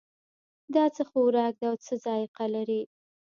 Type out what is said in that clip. دا څه خوراک ده او څه ذائقه لري